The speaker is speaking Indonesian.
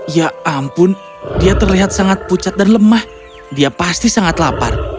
ya ampun dia terlihat sangat pucat dan lemah dia pasti sangat lapar